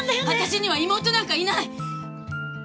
私には妹なんかいない！